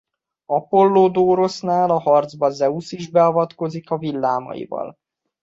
Apollodórosznál a harcba Zeusz is beavatkozik villámaival.